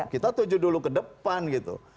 kita tuju dulu ke depan gitu